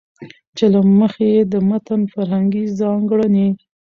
چې له مخې يې د متن فرهنګي ځانګړنې